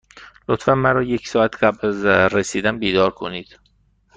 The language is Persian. لطفا مرا یک ساعت قبل از رسیدن بیدار کنید.